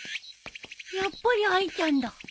やっぱりあいちゃんだ